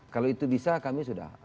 kalau itu bisa kami sudah